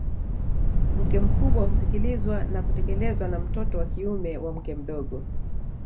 Mke mkubwa husikilizwa na kutekelezwa na mtoto wa kiume wa mke mdogo